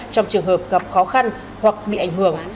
trong trường hợp gặp khó khăn hoặc bị ảnh hưởng